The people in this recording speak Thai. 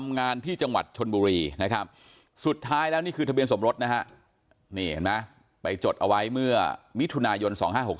เนี้ยเห็นไหมไปจดเอาไว้เมื่อมิถุนายน๒๕๖๒